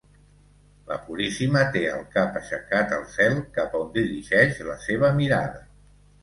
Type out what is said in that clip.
La Puríssima té el cap aixecat al cel, cap on dirigeix la seva mirada.